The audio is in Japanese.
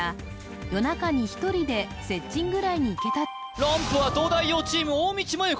ランプは東大王チーム大道麻優子